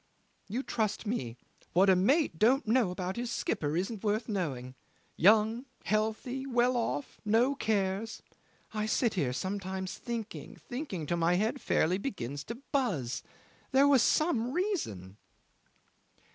You trust me. What a mate don't know about his skipper isn't worth knowing. Young, healthy, well off, no cares. ... I sit here sometimes thinking, thinking, till my head fairly begins to buzz. There was some reason."